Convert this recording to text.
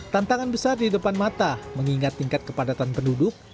tantangan besar di depan mata mengingat tingkat kepadatan penduduk